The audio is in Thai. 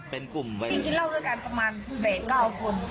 เป็นกลุ่มไว้กินเหล้าด้วยกันประมาณเจ็บเก้าคน